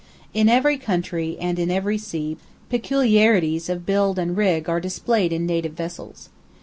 In every country and in every sea peculiarities of build and rig are displayed in native vessels.